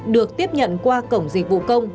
được tiếp nhận qua cổng dịch vụ công